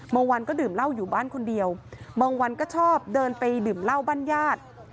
บางวันก็ดื่มเหล้าอยู่บ้านคนเดียวบางวันก็ชอบเดินไปดื่มเหล้าบ้านญาติ